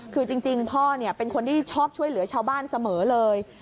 คือจริงพ่อเป็นคนที่ชอบช่วยเหลือชาวบ้านเสมอเลย